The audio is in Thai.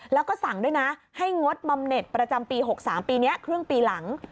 แล้วก็สั่งด้วยนะให้งดบำเน็ตประจำปี๖๓ปีนี้ครึ่งปีหลัง